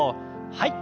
はい。